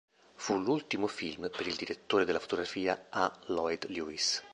Fu l'ultimo film per il direttore della fotografia A. Lloyd Lewis.